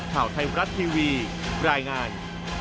ข่าวไทยมรัฐทีวีรายงาน